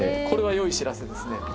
これはよい知らせですね。